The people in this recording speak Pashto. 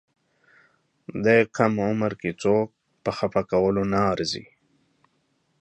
دا کم عمر کې څوک په خپه کولو نه ارزي.